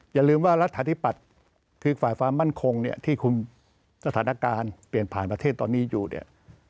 อย่าลืมว่ารัฐาธิปัตย์คือฝ่ายความมั่นคงเนี่ยที่คุมสถานการณ์เปลี่ยนผ่านประเทศตอนนี้อยู่เนี่ย